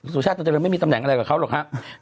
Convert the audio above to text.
สุชาติเจริญไม่มีตำแหน่งอะไรกับเขาหรอกครับ